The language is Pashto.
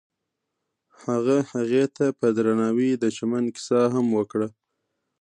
هغه هغې ته په درناوي د چمن کیسه هم وکړه.